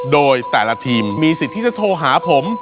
โดยแต่ละทีมมีสิทธิ์ที่จะโทรหาผม